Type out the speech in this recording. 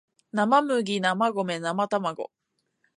七生麦七生米七生卵